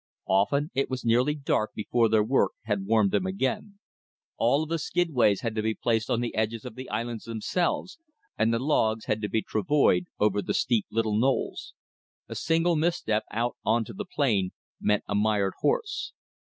Often it was nearly dark before their work had warmed them again. All of the skidways had to be placed on the edges of the islands themselves, and the logs had to be travoyed over the steep little knolls. A single misstep out on to the plain meant a mired horse.